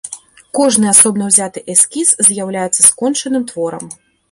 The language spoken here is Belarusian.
Кожны асобна ўзяты эскіз з'яўляецца скончаным творам.